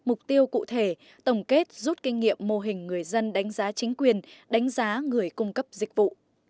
mục tiêu cụ thể tổng kết rút kinh nghiệm mô hình người dân đánh giá chính quyền đánh giá người cung cấp dịch vụ